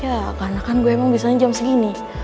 ya karena kan gue emang biasanya jam segini